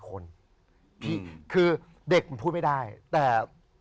คือเด็กมันพูดไม่ได้แต่